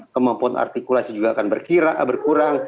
kemampuan artikulasi juga akan berkira berkurang